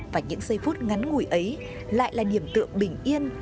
và những giây phút ngắn ngủi ấy lại là niềm tượng bình yên